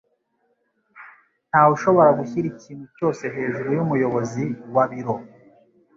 Ntawe ushobora gushyira ikintu cyose hejuru yumuyobozi wa biro.